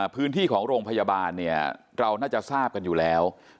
พื้นที่ของโรงพยาบาลเนี่ยเราน่าจะทราบกันอยู่แล้ว